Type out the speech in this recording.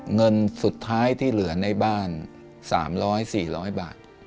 เงินสุดท้ายที่เหลือในบ้าน๓๐๐๔๐๐บาท